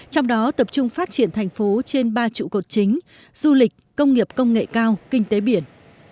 trong đó tập trung phát triển thành phố trên ba trụ cột chính du lịch công nghiệp công nghệ cao kinh tế biển